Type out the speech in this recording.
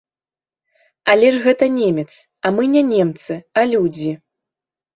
Але ж гэта немец, а мы не немцы, а людзі.